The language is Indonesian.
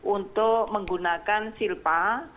untuk menggunakan silpa